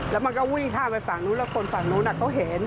แล้วมันก็วิ่งข้ามไปฝั่งนู้นแล้วคนฝั่งนู้นเขาเห็น